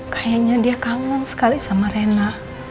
kayaknya dia kangen sekali sama rena